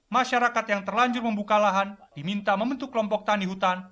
masyarakat yang terlanjur membuka lahan diminta membentuk kelompok tani hutan